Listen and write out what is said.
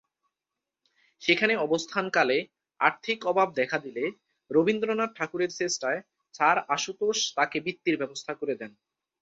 সেখানে অবস্থানকালে আর্থিক অভাব দেখা দিলে রবীন্দ্রনাথ ঠাকুরের চেষ্টায় স্যার আশুতোষ তাঁকে বৃত্তির ব্যবস্থা করে দেন।